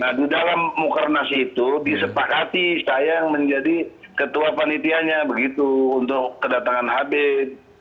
nah di dalam mukernas itu disepakati saya yang menjadi ketua panitianya begitu untuk kedatangan habib